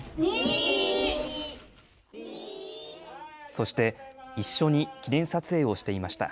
そして一緒に記念撮影をしていました。